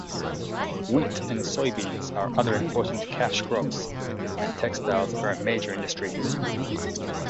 Wheat and soybeans are other important cash crops, and textiles are a major industry.